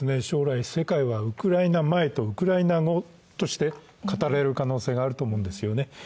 将来、世界はウクライナ前とウクライナ後として語られる可能性があると思うんですよね。